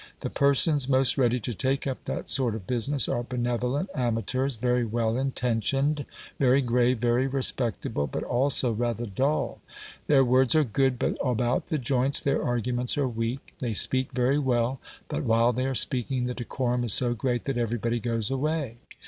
The persons most ready to take up that sort of business are benevolent amateurs, very well intentioned, very grave, very respectable, but also rather dull. Their words are good, but about the joints their arguments are weak. They speak very well, but while they are speaking, the decorum is so great that everybody goes away.